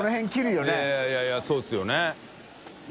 いやいやそうですよね。